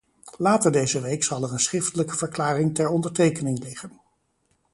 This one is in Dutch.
Later deze week zal er een schriftelijke verklaring ter ondertekening liggen.